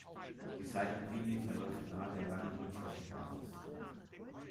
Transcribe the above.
Die Seitenlinie verläuft nah der langen Rückenflossenbasis.